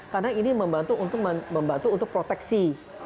karena ini membantu untuk memproteksi